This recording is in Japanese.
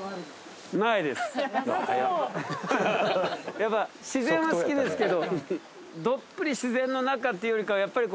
やっぱり自然は好きですけどどっぷり自然のなかというよりかはやっぱり。